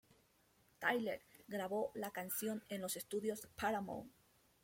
Tyler grabó la canción en los estudios de Paramount.